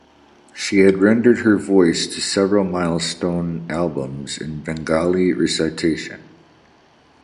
She had rendered her voice to several milestone albums in Bengali recitation.